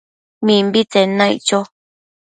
Mimbitsen naic cho